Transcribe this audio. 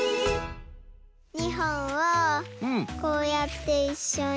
２ほんをこうやっていっしょに。